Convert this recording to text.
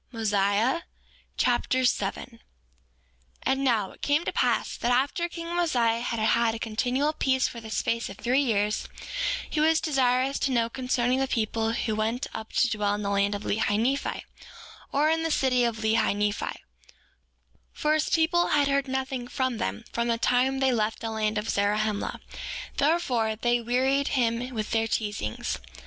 Mosiah Chapter 7 7:1 And now, it came to pass that after king Mosiah had had continual peace for the space of three years, he was desirous to know concerning the people who went up to dwell in the land of Lehi Nephi, or in the city of Lehi Nephi; for his people had heard nothing from them from the time they left the land of Zarahemla; therefore, they wearied him with their teasings.